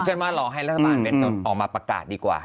ฉันว่ารอให้รัฐบาลเป็นคนออกมาประกาศดีกว่า